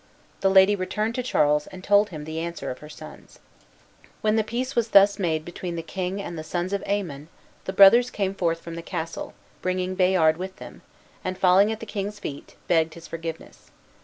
The lady returned to Charles and told him the answer of her sons. When the peace was thus made between the king and the sons of Aymon, the brothers came forth from the castle, bringing Bayard with them, and, falling at the king's feet, begged his forgiveness.